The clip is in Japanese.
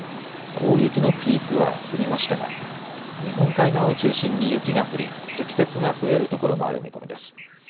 大雪のピークは過ぎましたが日本海側を中心に雪が降り積雪が増えるところもある見込みです。